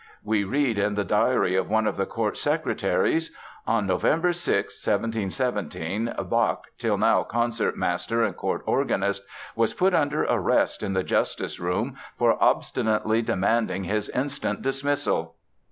We read in the diary of one of the court secretaries: "On November 6, 1717, Bach, till now Concertmaster and Court Organist, was put under arrest in the justice room for obstinately demanding his instant dismissal."